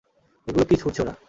এগুলো কী ছুঁড়ছে ওরা?